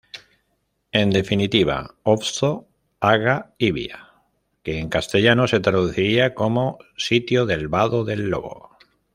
En definitiva, "otso-aga-ibia", que en castellano se traduciría como 'sitio del vado del lobo'.